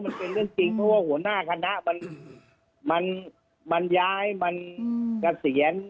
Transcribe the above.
มันเป็นเรื่องจริงเพราะว่าหัวหน้าคณะมันมันมันย้ายมันกัดเสียง